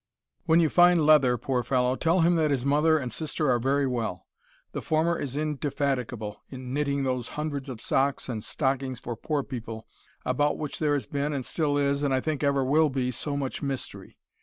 "When you find Leather, poor fellow, tell him that his mother and sister are very well. The former is indefatigable in knitting those hundreds of socks and stockings for poor people, about which there has been, and still is, and I think ever will be, so much mystery.